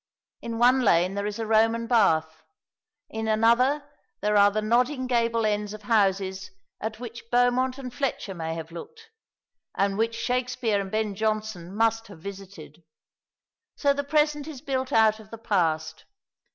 In one lane there is a Roman bath, in another there are the nodding gable ends of houses at which Beaumont and Fletcher may have looked, and which Shakspere and Ben Jonson must have visited. So the Present is built out of the Past.